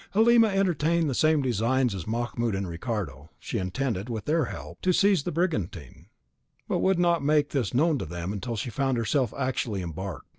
Halima entertained the same designs as Mahmoud and Ricardo; she intended, with their help, to seize the brigantine, but would not make this known to them until she found herself actually embarked.